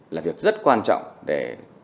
là việc rất quan trọng để